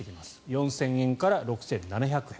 ４０００円から６７００円。